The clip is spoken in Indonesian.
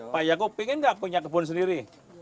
pak yaakub ingin gak punya kebun sendiri